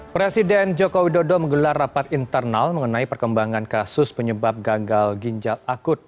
presiden joko widodo menggelar rapat internal mengenai perkembangan kasus penyebab gagal ginjal akut